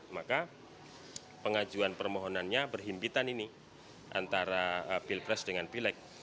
maka pengajuan permohonannya berhimpitan ini antara pilpres dengan pileg